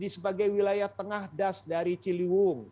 sebagai wilayah tengah das dari ciliwung